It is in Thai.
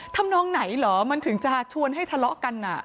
ทำนองไหนเหรอมันถึงจะชวนให้ทะเลาะกัน